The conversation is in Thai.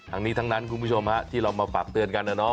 ทั้งนี้ทั้งนั้นคุณผู้ชมฮะที่เรามาฝากเตือนกันนะเนาะ